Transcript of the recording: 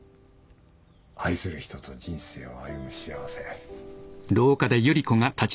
愛する人と人生を歩む幸せ。